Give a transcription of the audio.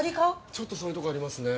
ちょっとそういうところありますね。